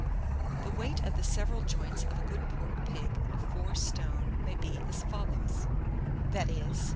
] The weight of the several joints of a good pork pig of four stone may be as follows; viz.